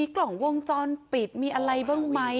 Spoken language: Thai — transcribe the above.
กล่องวงจรปิดมีอะไรบ้างไหม